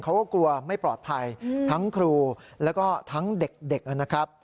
เขาก็กลัวไม่ปลอดภัยทั้งครูแล้วก็ทั้งเด็กนะครับ